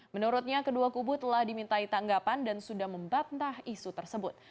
menurutnya kedua kubu telah dimintai tanggapan dan sudah membantah isu tersebut